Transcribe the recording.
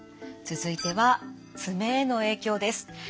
続いては爪への影響です。